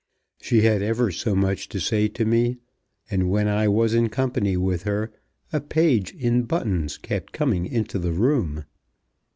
She had ever so much to say to me, and when I was in company with her a page in buttons kept coming into the room.